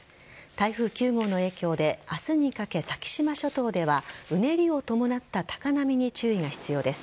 台風９号の影響で明日にかけ先島諸島ではうねりを伴った高波に注意が必要です。